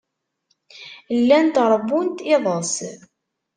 Llant ṛewwunt iḍes.